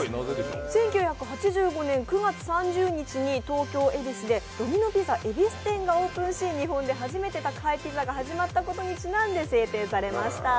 １９８５年９月３０日に東京・恵比寿でドミノ・ピザ恵比寿店がオープンし日本で初めて宅配ピザが始まったことにちなんで制定されました。